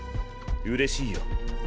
うれしいよ。